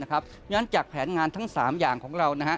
ดังนั้นจากแผนงานทั้ง๓อย่างของเรา